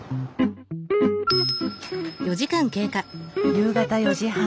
夕方４時半。